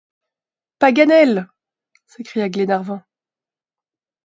Paganel! s’écria Glenarvan.